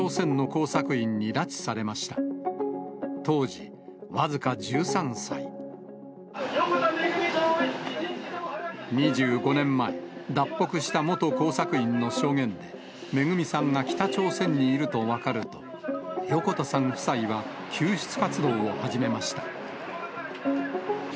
横田めぐみさんを一日でも早２５年前、脱北した元工作員の証言で、めぐみさんが北朝鮮にいると分かると、横田さん夫妻は救出活動を始めました。